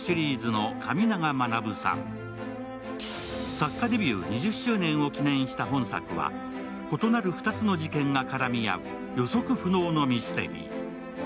作家デビュー２０周年を記念した本作は、異なる２つの事件が絡み合う予測不能のミステリー。